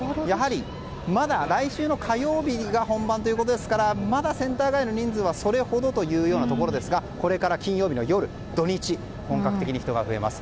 やはり、来週の火曜日が本番ということですからまだセンター街の人数はそれほどというところですがこれから金曜日の夜、土日本格的に人が増えます。